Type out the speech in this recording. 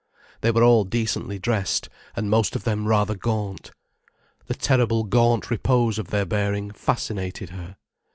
They were all decently dressed, and most of them rather gaunt. The terrible gaunt repose of their bearing fascinated her.